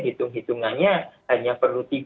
hitung hitungannya hanya perlu